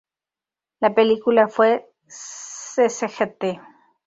La película fue "Sgt.